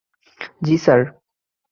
জ্বী, স্যার!